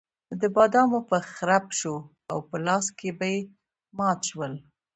نو د بادامو به خرپ شو او په لاس کې به مات شول.